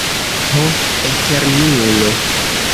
Ho Eternulo!